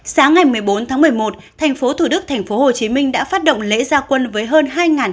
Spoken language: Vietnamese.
sáng ngày một mươi bốn tháng một mươi một thành phố thủ đức thành phố hồ chí minh đã phát động lễ gia quân với hơn